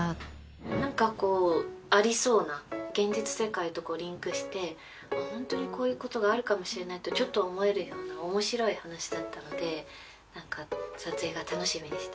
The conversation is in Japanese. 何かこうありそうな現実世界とリンクしてホントにこういうことがあるかもしれないとちょっと思えるような面白い話だったので撮影が楽しみでした。